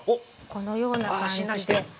このような感じではい。